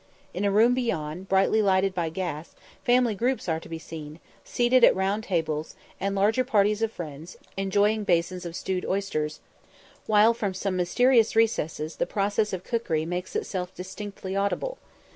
In a room beyond, brightly lighted by gas, family groups are to be seen, seated at round tables, and larger parties of friends, enjoying basins of stewed oysters; while from some mysterious recess the process of cookery makes itself distinctly audible.